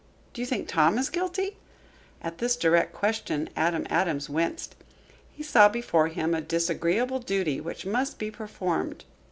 "Do you think Tom is guilty?" At this direct question Adam Adams winced. He saw before him a disagreeable duty which must be performed.